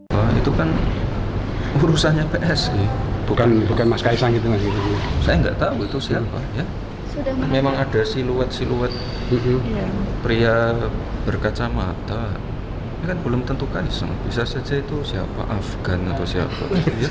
berkacamata ini kan belum tentukan bisa saja itu siapa afgan atau siapa